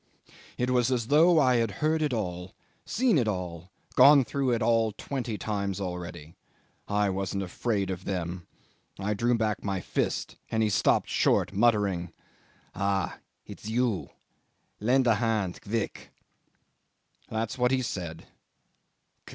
"It was as though I had heard it all, seen it all, gone through it all twenty times already. I wasn't afraid of them. I drew back my fist and he stopped short, muttering '"'Ah! it's you. Lend a hand quick.' '"That's what he said.